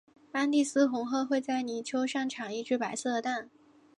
安第斯红鹳会在泥丘上产一只白色的蛋。